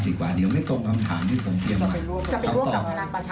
ถามว่าผมชวนทำถามนะดังสิครับ